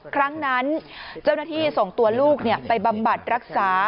ครั้งนั้นเจ้าหน้าที่ส่งตัวลูกไปบำบัดรักษา